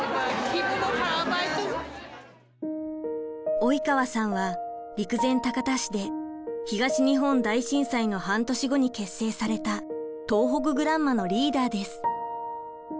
及川さんは陸前高田市で東日本大震災の半年後に結成された東北グランマのリーダーです。